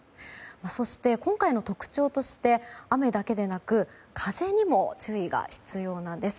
そして、今回の特徴として雨だけでなく風にも注意が必要なんです。